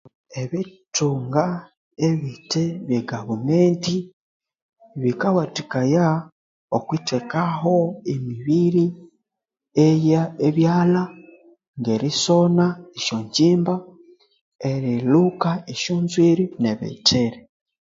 Ebithunga ebithe byegavumenti bikawathikaya okwithekaho emibiri eya ebyalha ngerisona esyonjjimba erilhuka esyonzwiri nebithiri